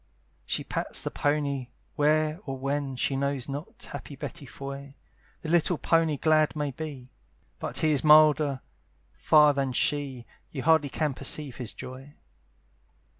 She pats the pony, where or when She knows not, happy Betty Foy! The little pony glad may be, But he is milder far than she, You hardly can perceive his joy.